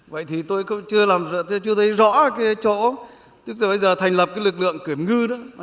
vậy thì tôi chưa thấy rõ cái chỗ tức là bây giờ thành lập cái lực lượng kiểm ngư đó